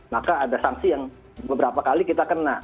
maka ada sanksi yang beberapa kali kita kena